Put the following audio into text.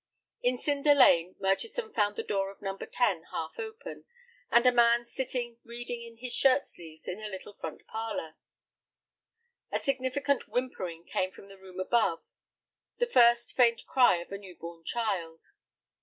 In Cinder Lane, Murchison found the door of No. 10 half open, and a man sitting reading in his shirt sleeves in the little front parlor. A significant whimpering came from the room above, the first faint crying of a new born child.